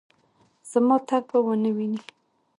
زما تګ به ونه وینې